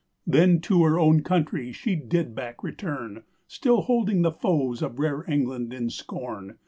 Then to her owne country shee back did returne, Still holding the foes of rare England in scorne!